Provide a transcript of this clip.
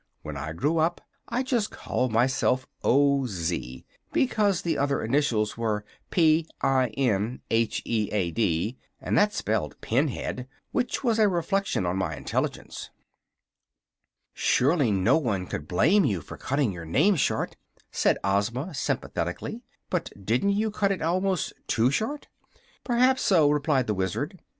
When I grew up I just called myself O. Z., because the other initials were P I N H E A D; and that spelled 'pinhead,' which was a reflection on my intelligence." "Surely no one could blame you for cutting your name short," said Ozma, sympathetically. "But didn't you cut it almost too short?" "Perhaps so," replied the Wizard.